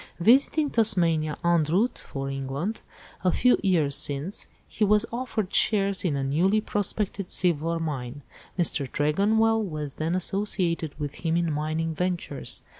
"Visiting Tasmania en route for England a few years since, he was offered shares in a newly prospected silver mine. Mr. Tregonwell was then associated with him in mining ventures.